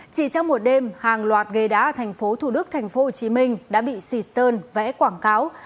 chỉ trong một đêm hàng loạt ghê đá thành phố thủ đức thành phố hồ chí minh đã bị xịt sơn vẽ quảng cáo